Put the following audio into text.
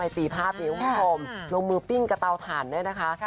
พิกัดบาทเป็นพรุ่งข้อมลงมือปิ้งกระเป๋าถ่านได้นะคะ